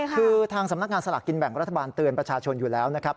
คือทางสำนักงานสลากกินแบ่งรัฐบาลเตือนประชาชนอยู่แล้วนะครับ